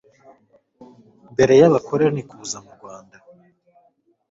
mbere y'abakoroni kuza m'urwanda